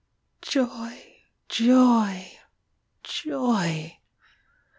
Joy! Joy! Joy!